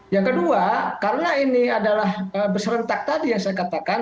yang kedua karena ini adalah berserentak tadi yang saya katakan